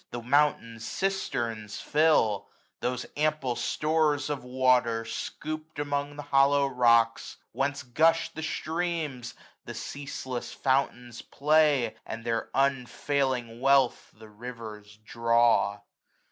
The mountain cisterns fill, those ample stores Of water, scoop'd among the hollow rocks j Whence gush the streams, the ceaseless fountains play. And their unfailing wealth the rivers draw.